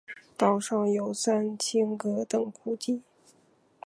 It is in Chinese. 岛上有三清阁等古迹。